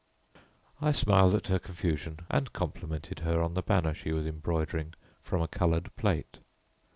I smiled at her confusion and complimented her on the banner she was embroidering from a coloured plate.